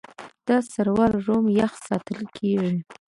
دا سرور روم یخ ساتل کېږي.